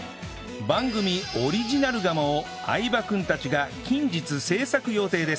番組オリジナル釜を相葉君たちが近日製作予定です